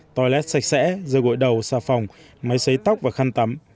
toilet sạch sẽ rơi gội đầu xa phòng máy xấy tóc và khăn tắm